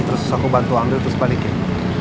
terus aku bantu ambil terus balikin